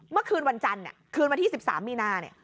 เมื่อคืนวันจันทร์คืนวันที่๑๓มีนาเนี่ย